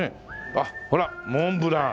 あっほらモンブラン。